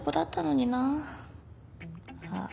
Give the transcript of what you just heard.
あっ。